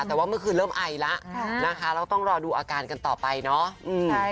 แต่ว่าเมื่อคืนเริ่มไอแล้วนะคะเราต้องรอดูอาการกันต่อไปเนาะ